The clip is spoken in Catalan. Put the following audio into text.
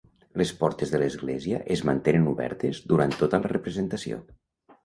Les portes de l'església es mantenen obertes durant tota la representació.